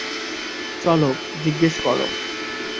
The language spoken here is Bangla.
চলো, জিজ্ঞেস কর।